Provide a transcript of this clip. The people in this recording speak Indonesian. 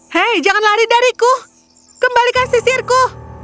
hei jangan lari dariku kembalikan sisirku